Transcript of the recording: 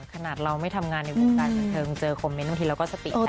ขนาดเราไม่ทำงานในวงการบันเทิงเจอคอมเมนต์บางทีเราก็สติใจ